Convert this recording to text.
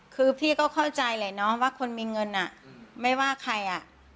คือพี่ก็เข้าใจแหละเนาะว่าคนมีเงินไม่ว่าใครอ่ะ